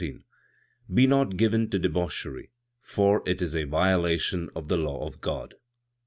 "Be not given to debauchery, for it is a violation of the law of God.